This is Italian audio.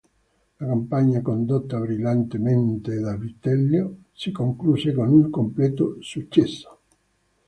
La campagna, condotta brillantemente da Vitellio, si concluse con un completo successo.